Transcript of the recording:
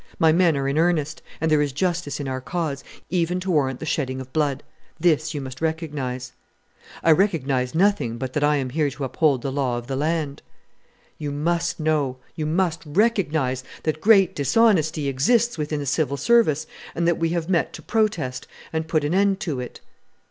My men are in earnest, and there is justice in our cause, even to warrant the shedding of blood. This you must recognize." "I recognize nothing but that I am here to uphold the law of the land." "You must know you must recognize that great dishonesty exists within the Civil Service, and that we have met to protest and put an end to it!"